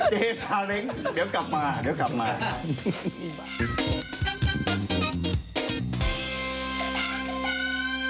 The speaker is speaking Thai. ซาเล้งเดี๋ยวกลับมาเดี๋ยวกลับมา